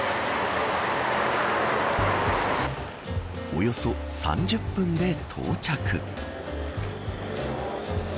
およそ３０分で到着。